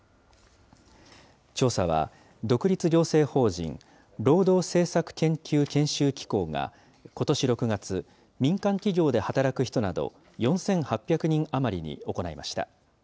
調査は、独立行政法人労働政策研究・研修機構がことし６月、民間企業で働く人など４８００人余りに行いました。